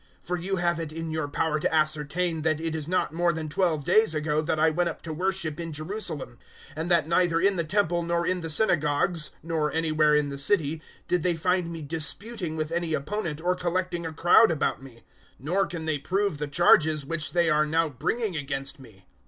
024:011 For you have it in your power to ascertain that it is not more than twelve days ago that I went up to worship in Jerusalem; 024:012 and that neither in the Temple nor in the synagogues, nor anywhere in the city, did they find me disputing with any opponent or collecting a crowd about me. 024:013 Nor can they prove the charges which they are now bringing against me.